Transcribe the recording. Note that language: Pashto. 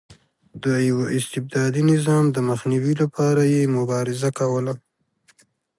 د یوه استبدادي نظام د مخنیوي لپاره یې مبارزه کوله.